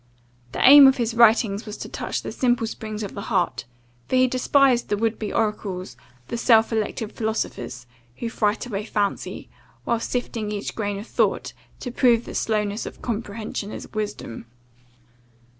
The aim of his writings was to touch the simple springs of the heart; for he despised the would be oracles, the self elected philosophers, who fright away fancy, while sifting each grain of thought to prove that slowness of comprehension is wisdom.